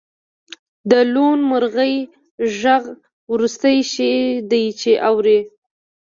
د لوون مرغۍ غږ وروستی شی دی چې اورئ